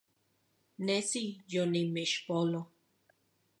Nesi yonimixpolo